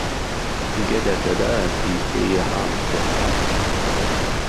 گه دهردهدار بی بڵیێ حاڵم بێ حاڵه